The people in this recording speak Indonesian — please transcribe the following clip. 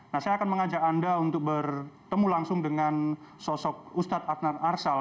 nah saya akan mengajak anda untuk bertemu langsung dengan sosok ustadz adnan arsal